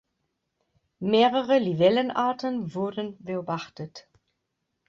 Mehrere Libellenarten wurden beobachtet.